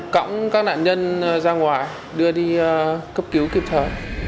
đưa các nạn nhân ra ngoài đưa đi cấp cứu kịp thở